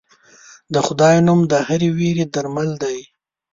د خدای نوم د هرې وېرې درمل دی.